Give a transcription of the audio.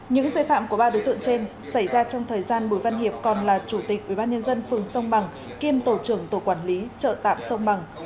những xe phạm của ba đối tượng trên xảy ra trong thời gian bùi văn hiệp còn là chủ tịch ubnd phường sông bằng kiêm tổ trưởng tổ quản lý chợ tạm sông bằng